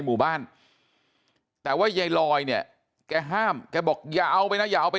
หมู่บ้านแต่ว่ายายลอยเนี่ยแกห้ามแกบอกอย่าเอาไปนะอย่าเอาไป